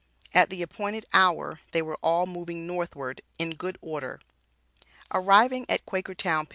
At the appointed hour they were all moving northward in good order. Arriving at Quakertown, Pa.